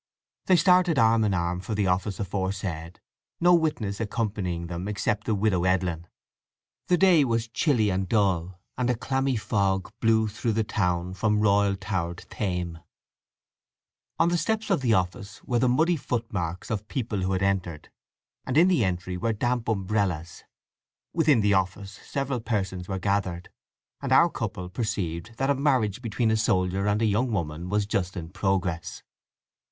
They started arm in arm for the office aforesaid, no witness accompanying them except the Widow Edlin. The day was chilly and dull, and a clammy fog blew through the town from "Royal tower'd Thame." On the steps of the office there were the muddy foot marks of people who had entered, and in the entry were damp umbrellas. Within the office several persons were gathered, and our couple perceived that a marriage between a soldier and a young woman was just in progress.